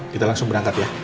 kita langsung berangkat ya